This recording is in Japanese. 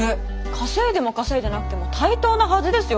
稼いでも稼いでなくても対等なはずですよ